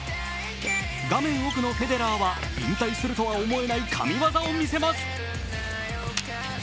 画面奥のフェデラーは引退するとは思えない神業を見せます。